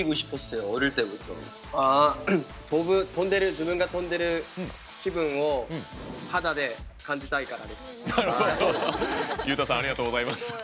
自分が飛んでる気分を肌で感じたいからですだそうです。